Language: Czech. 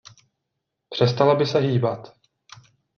Přestala by se hýbat.